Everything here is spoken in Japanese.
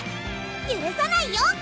ゆるさないよ！